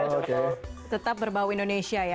tetap berbau indonesia ya